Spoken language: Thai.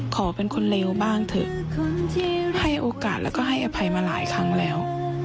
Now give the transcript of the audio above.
ขอเป็นคนเลวบ้างเถอะที่ให้โอกาสแล้วก็ให้อภัยมาหลายครั้งแล้ว